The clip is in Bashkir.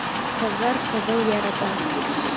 Ҡыҙҙар ҡыҙыл ярата.